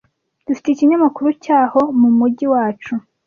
Dufite ikinyamakuru cyaho mumujyi wacu.